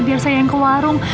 biar saya yang ke warung